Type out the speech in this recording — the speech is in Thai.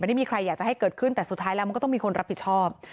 ไม่มีใครอยากจะให้เกิดขึ้นแต่สุดท้ายแล้วมันก็ต้องมีคนรับผิดชอบ